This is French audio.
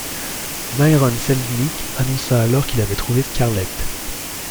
Myron Selznick annonça alors qu'il avait trouvé Scarlett.